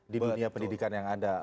di dunia pendidikan yang ada